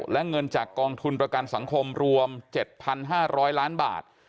และเงินจากกองทุนประกันสังคมรวม๗๕๐๐ล้านบาท